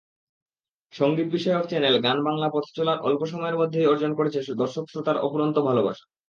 সংগীতবিষয়ক channel Gaan Bangla পথচলার অল্প সময়ের মধ্যেই অর্জন করেছে দর্শক-শ্রোতার অফুরন্ত ভালোবাসা।